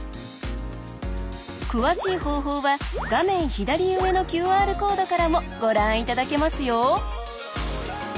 詳しい方法は画面左上のＱＲコードからもご覧いただけますよ。